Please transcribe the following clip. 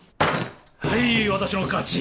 はい私の勝ち。